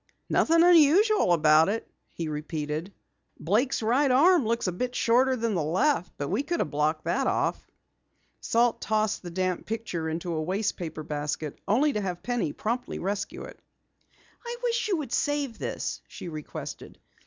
"Nothing unusual about it," he repeated. "Blake's right arm looks a bit shorter than the left, but we could have blocked that off." Salt tossed the damp picture into a wastepaper basket, only to have Penny promptly rescue it. "I wish you would save this," she requested.